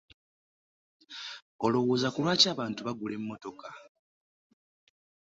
Olowooza kulwaki abantu bagula emmotoka?